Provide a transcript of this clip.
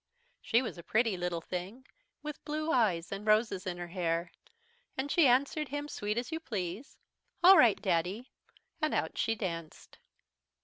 "She was a pretty little thing, with blue eyes and roses in her hair. And she answered him sweet as you please, 'All right, Daddy,' and out she danced.